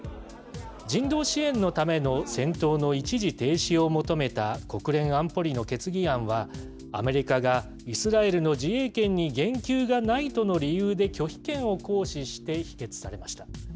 人道支援のための戦闘の一時停止を求めた、国連安保理の決議案は、アメリカがイスラエルの自衛権に言及がないとの理由で拒否権を行使して否決されました。